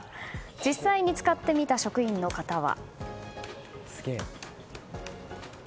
実際に使ってみた職員の方は。